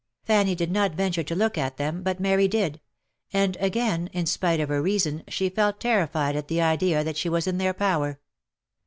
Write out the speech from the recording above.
Fanny did not venture to look at them, but Mary did ; and again, in spite of her reason, she felt terrified at the idea that she was in their power.